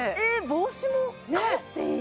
帽子もかぶっていい？